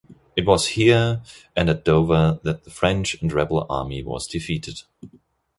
It was here and at Dover that the French and Rebel army was defeated.